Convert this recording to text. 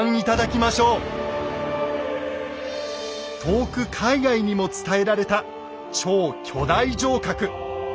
遠く海外にも伝えられた超巨大城郭。